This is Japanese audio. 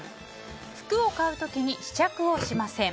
服を買う時に試着をしません。